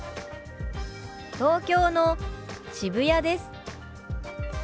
「東京の渋谷です」。